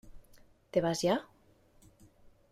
¿ te vas ya?